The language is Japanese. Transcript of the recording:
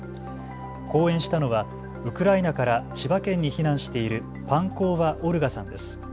講演したのはウクライナから千葉県に避難しているパンコーヴァ・オルガさんです。